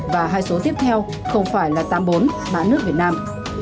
và hai số tiếp theo không phải là tám mươi bốn mã nước việt nam